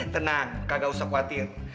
tenang kagak usah khawatir